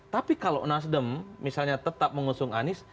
tapi kalau nasdem misalnya tetap mengusung anies